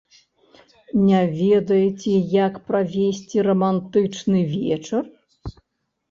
Не ведаеце, як правесці рамантычны вечар?